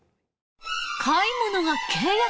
買い物が契約？